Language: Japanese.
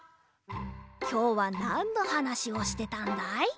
きょうはなんのはなしをしてたんだい？